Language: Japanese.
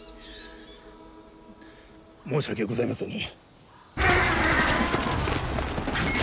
申し訳ございません。